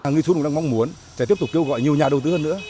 nghi xuân cũng đang mong muốn sẽ tiếp tục kêu gọi nhiều nhà đầu tư hơn nữa